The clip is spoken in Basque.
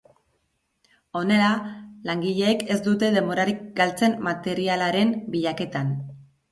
Honela, langileek ez dute denborarik galtzen materialaren bilaketan.